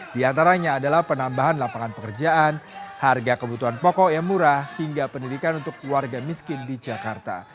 di antaranya adalah penambahan lapangan pekerjaan harga kebutuhan pokok yang murah hingga pendidikan untuk warga miskin di jakarta